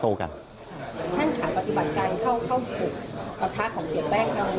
ท่านค่ะปฏิบัติการเข้าปลุกปะทะของเสียแป้งเรา